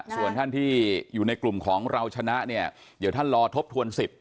ส่วนท่านที่อยู่ในกลุ่มของเราชนะเนี่ยเดี๋ยวท่านรอทบทวนสิทธิ